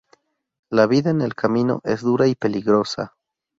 La vida en el camino es dura y peligrosa.